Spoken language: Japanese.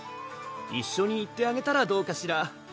一緒に行ってあげたらどうかしら？